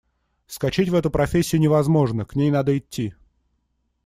Вскочить в эту профессию невозможно, к ней надо идти.